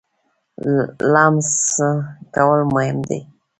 لمس کول مهم دی.